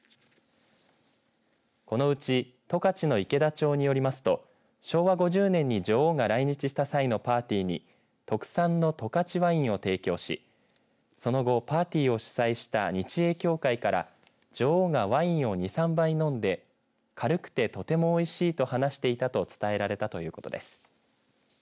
このうち十勝の池田町によりますと昭和５０年に女王が来日した際のパーティーに特産の十勝ワインを提供しその後、パーティーを主催した日英協会から女王がワインを２、３杯飲んで軽くて、とてもおいしいと話していたと伝えられたということです。